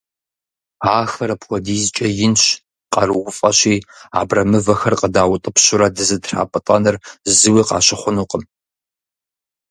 Ахэр апхуэдизкӀэ инщ, къарууфӀэщи, абрэмывэхэр къыдаутӀыпщурэ дызэтрапӀытӀэныр зыуи къащыхъунукъым.